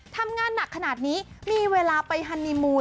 ทำงานหนักขนาดนี้มีเวลาไปฮันนีมูล